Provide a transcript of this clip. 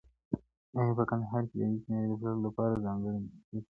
ایا په کندهار کې د وچې مېوې د پلورلو لپاره ځانګړی مارکېټ شته؟